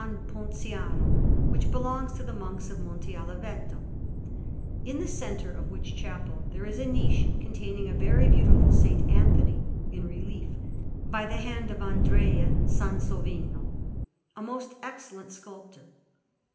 Ponziano, which belongs to the Monks of Monte Oliveto; in the centre of which chapel there is a niche containing a very beautiful S. Anthony in relief by the hand of Andrea Sansovino, a most excellent sculptor.